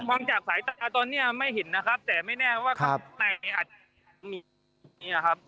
ฟังจากสายตาตอนเนี้ยไม่เห็นนะครับแต่ไม่แน่ว่าข้างในอาจจะมีเนี่ยครับ